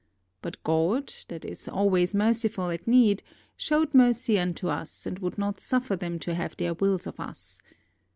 But God, that is always merciful at need, showed mercy unto us and would not suffer them to have their wills of us.